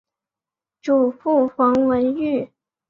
祖父冯文玉。